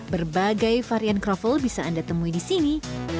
berbagai varian kroffel bisa anda temui di sini